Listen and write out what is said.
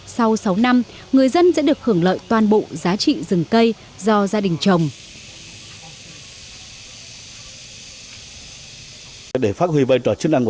sau sáu năm người dân sẽ được hưởng lợi toàn bộ giá trị rừng cây do gia đình trồng